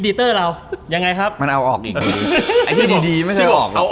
เอดิเตอร์เรายังไงครับมันเอาออกอีกไอ้ที่ดีดีไม่ใช่ออก